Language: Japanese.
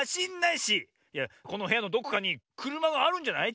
いやこのへやのどこかにくるまがあるんじゃない？